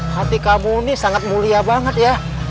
hati kamu ini sangat mulia banget ya